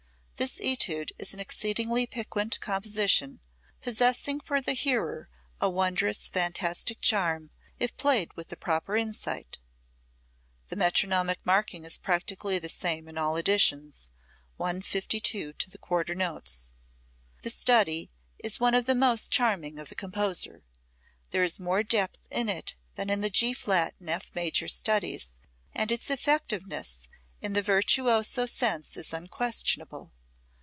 ... This etude is an exceedingly piquant composition, possessing for the hearer a wondrous, fantastic charm, if played with the proper insight." The metronomic marking is practically the same in all editions, 152 to the quarter notes. The study is one of the most charming of the composer. There is more depth in it than in the G flat and F major studies, and its effectiveness in the virtuoso sense is unquestionable.